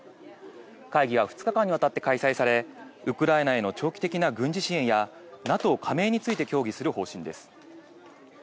会議は２日間にわたって開催され、ウクライナへの長期的な軍事支援や、ＮＡＴＯ加盟について協議する方針です。